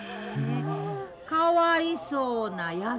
「かわいそうなやぎ」。